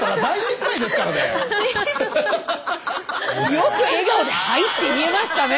よく笑顔で「はい！」って言えましたね！